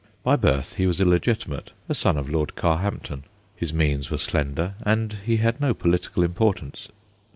By birth he was illegitimate a son of Lord Carhampton. His means were slender, and he had no political importance.